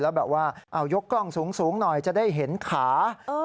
แล้วแบบว่ายกกล้องสูงหน่อยจะได้เห็นขา